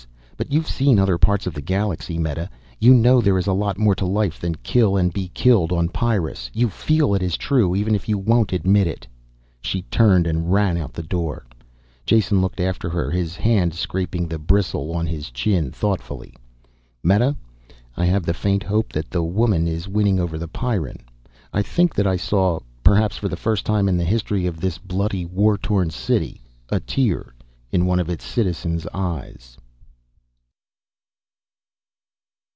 But you've seen other parts of the galaxy, Meta, you know there is a lot more to life than kill and be killed on Pyrrus. You feel it is true, even if you won't admit it." She turned and ran out the door. Jason looked after her, his hand scraping the bristle on his chin thoughtfully. "Meta, I have the faint hope that the woman is winning over the Pyrran. I think that I saw perhaps for the first time in the history of this bloody war torn city a tear in one of its citizen's eyes."